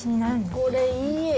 これいい。